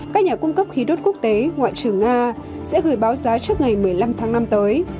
các nhà cung cấp khí đốt quốc tế ngoại trưởng nga sẽ gửi báo giá trước ngày một mươi năm tháng năm tới